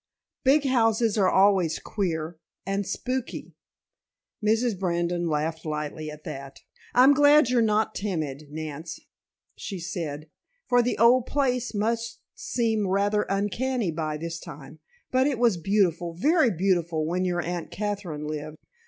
"Big houses always are queer and spooky." Mrs. Brandon laughed lightly at that. "I'm glad you're not timid, Nance," she said, "for the old place must seem rather uncanny by this time. But it was beautiful, very beautiful when your Aunt Katherine lived.